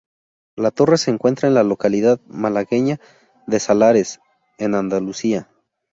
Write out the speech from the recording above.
La torre se encuentra en la localidad malagueña de Salares, en Andalucía.